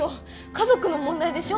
家族の問題でしょ。